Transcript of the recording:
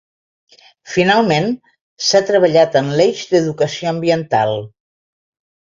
Finalment, s’ha treballat en l’eix d’educació ambiental.